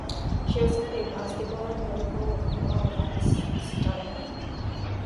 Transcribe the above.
She also played basketball and volleyball while at Steinert.